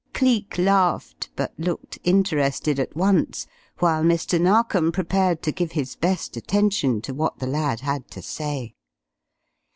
Cleek laughed, but looked interested at once, while Mr. Narkom prepared to give his best attention to what the lad had to say.